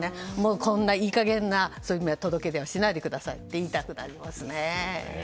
こんないい加減な届け出はしないでくださいと言いたくなりますね。